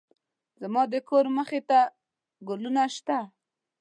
زما د کور مخې ته ګلونه شته